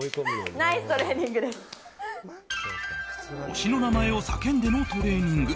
推しの名前を叫んでのトレーニング。